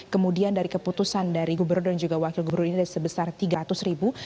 kemudian dari keputusan dari gubernur dan juga wakil gubernur ini ada sebesar tiga ratus ribu